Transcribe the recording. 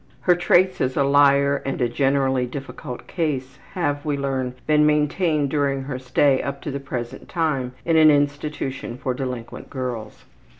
Her traits as a liar and a generally difficult case have, we learn, been maintained during her stay up to the present time in an institution for delinquent girls.